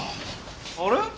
あれ？